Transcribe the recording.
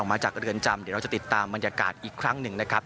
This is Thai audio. ออกมาจากเรือนจามเดี๋ยวจะติดตามบริเวณมันยากาศอีกครั้งหนึ่งนะครับ